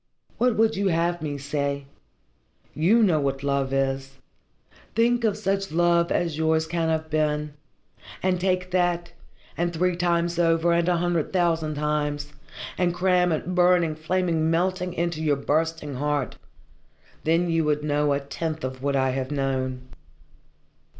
What would you have me say? You know what love is. Think of such love as yours can have been, and take twice that, and three times over, and a hundred thousand times, and cram it, burning, flaming, melting into your bursting heart then you would know a tenth of what I have known.